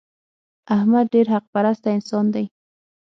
احمد ډېر حق پرسته انسان دی.